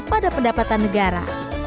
pada pendapatan negara